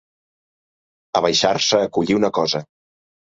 Abaixar-se a collir una cosa.